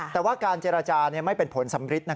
แต่ว่าการเจรจาไม่เป็นผลสำริด